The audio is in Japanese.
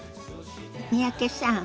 三宅さん